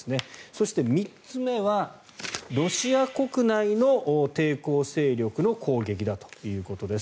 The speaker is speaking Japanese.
そして３つ目はロシア国内の抵抗勢力の攻撃だということです。